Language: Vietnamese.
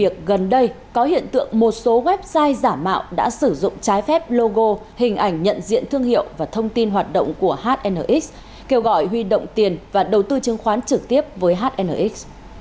các thanh thiếu niên hoạt động của hnx kêu gọi huy động tiền và đầu tư chứng khoán trực tiếp với hnx